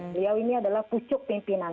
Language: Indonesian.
beliau ini adalah pucuk pimpinan